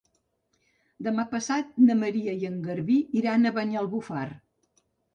Demà passat na Maria i en Garbí iran a Banyalbufar.